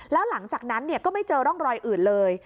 แล้วหลังจากนั้นก็ไม่เจอร่องรอยอื่นเลย